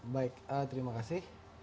baik terima kasih